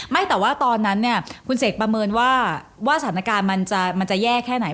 ไม่แต่ว่าตอนนั้นเนี่ยคุณเสกประเมินว่าสถานการณ์มันจะแย่แค่ไหน